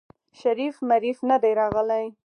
شريف مريف ندی راغلی.